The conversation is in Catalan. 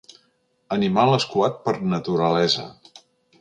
Animal escuat per naturalesa.